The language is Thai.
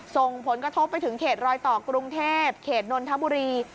ส่งผลกระทบไปถึงเขตรอยต่อกรุงเทพเขตนนทบุรี